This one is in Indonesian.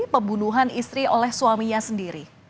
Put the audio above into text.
pembunuhan istri oleh suaminya sendiri